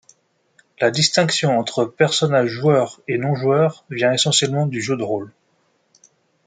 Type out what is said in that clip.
La distinction entre personnage joueur et non joueur vient essentiellement du jeu de rôle.